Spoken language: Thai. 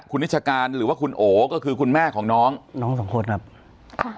คุณนิชการหรือว่าคุณโอก็คือคุณแม่ของน้องน้องสองคนครับอ่า